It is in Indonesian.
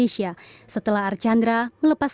setelah archandra melepas